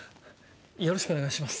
よろしくお願いします。